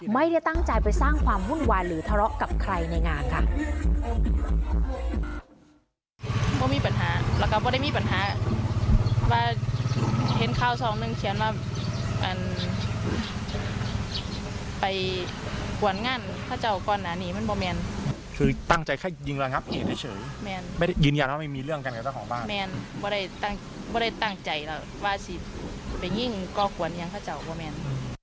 ไม่ได้ตั้งใจไปสร้างความวุ่นวายหรือทะเลาะกับใครในงานค่ะ